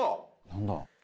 何だ？